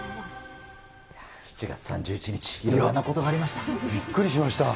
７月３１日、いろんなことがびっくりしました。